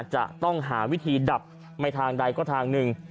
จะต้องหาวิธีดับไม่ทางใดก็ทางหนึ่ง